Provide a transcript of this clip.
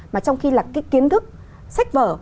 mà trong khi là cái kiến thức sách vở